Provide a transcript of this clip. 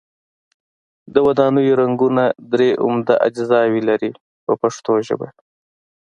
د ودانیو رنګونه درې عمده اجزاوې لري په پښتو ژبه.